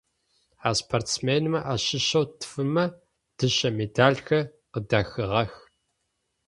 А спортсменмэ ащыщэу тфымэ дышъэ медалхэр къыдахыгъэх.